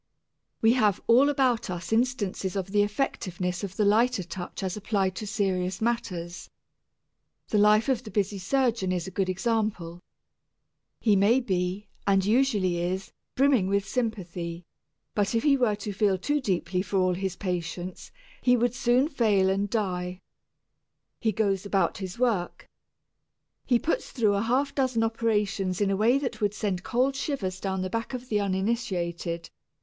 We have all about us instances of the effectiveness of the lighter touch as applied to serious matters. The life of the busy surgeon is a good example. He may be, and usually is, brimming with sympathy, but if he were to feel too deeply for all his patients, he would soon fail and die. He goes about his work. He puts through a half dozen operations in a way that would send cold shivers down the back of the uninitiated.